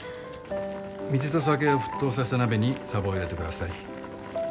水と酒を沸騰させた鍋にサバを入れてください。